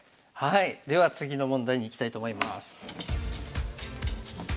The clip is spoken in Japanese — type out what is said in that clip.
では次の問題にいきたいと思います。